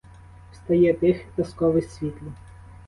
Встає тихе казкове світло.